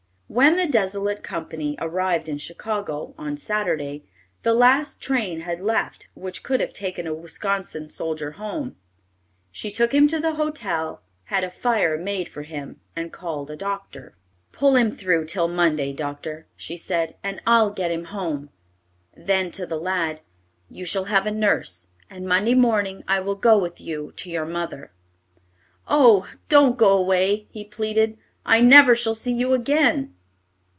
When the desolate company arrived in Chicago, on Saturday, the last train had left which could have taken a Wisconsin soldier home. She took him to the hotel, had a fire made for him, and called a doctor. "Pull him through till Monday, Doctor," she said, "and I'll get him home." Then, to the lad, "You shall have a nurse, and Monday morning I will go with you to your mother." "Oh! don't go away," he pleaded; "I never shall see you again."